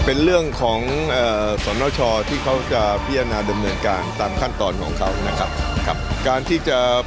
โอลี่คัมรี่